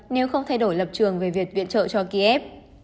nếu không thay đổi lập trường về việc viện trợ cho kiev